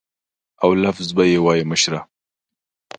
او لفظ به یې وایه مشره.